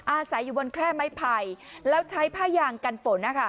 อาศัยอยู่บนแคร่ไม้ไผ่แล้วใช้ผ้ายางกันฝนนะคะ